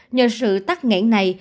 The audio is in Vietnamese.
nhờ sự tắt nghẽn này